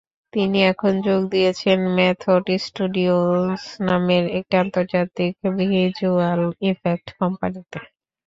তিনি এখন যোগ দিয়েছেন মেথড স্টুডিওস নামের একটি আন্তর্জাতিক ভিজ্যুয়াল ইফেক্ট কোম্পানিতে।